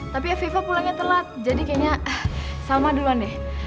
tapi afifah pulangnya telat jadi kayaknya salma duluan deh